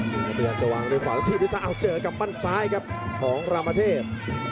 พยายามจะวางด้วยเมาที่ที่สาอาจเจอกับบ้านซ้ายครับของรามเทพ